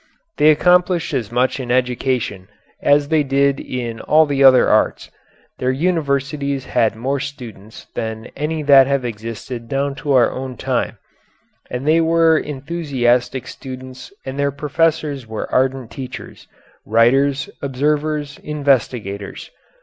They accomplished as much in education as they did in all the other arts, their universities had more students than any that have existed down to our own time, and they were enthusiastic students and their professors were ardent teachers, writers, observers, investigators.